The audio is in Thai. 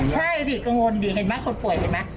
ใช่ดิกังวลดิเห็นไหมคนป่วยเห็นไหม